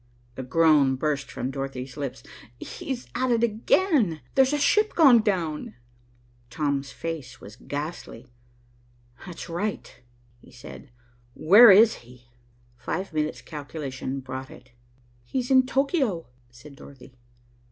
A groan burst from Dorothy's lips. "He's at it again. There's a ship gone down." Tom's face was ghastly. "That's right," he said. "Where is he?" Five minute's calculation brought it. "He's in Tokio," said Dorothy.